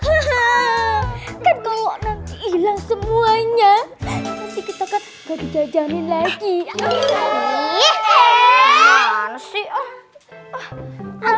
ihh elbows bolehimu ya janganismsih farkin ga juga haienberi ya lupa kalau di mana jeong